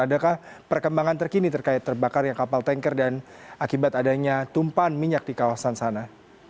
adakah perkembangan terkini terkait terbakarnya kapal tanker dan akibat adanya tumpahan minyak di kawasan sana